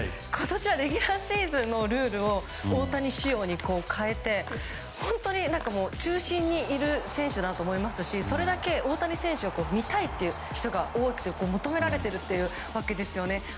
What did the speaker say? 今年はレギュラーシーズンのルールを大谷仕様に変えて本当に中心にいる選手だと思いますしそれだけ大谷選手を見たいという人が多く求められているわけですよね。